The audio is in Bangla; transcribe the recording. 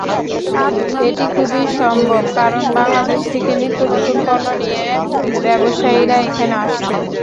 এটি খুবই সম্ভব, কারণ বাংলাদেশ থেকে নিত্যনতুন পণ্য নিয়ে ব্যবসায়ীরা এখানে আসছেন।